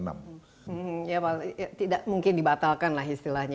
ya pak tidak mungkin dibatalkan lah istilahnya